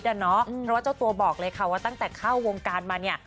เพราะว่าเจ้าตัวบอกเลยค่ะว่าตั้งแต่เข้าวงการมาเนี่ย